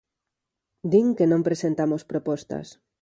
Din que non presentamos propostas.